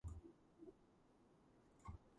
მუშაობდა მეორეულ და უცხო ნაერთთა ბიოქიმიის დარგში.